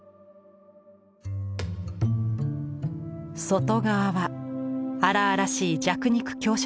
外側は荒々しい弱肉強食の世界。